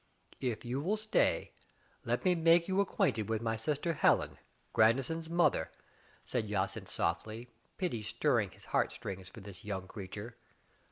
"If you will stay, let me make you acquainted with my sister Helen, Grandison's mother," said Jacynth softly, pity stirring his heart strings for this young creature.